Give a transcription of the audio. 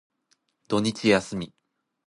土日休み。